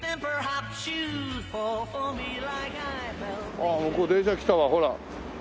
ああ向こう電車来たわほら。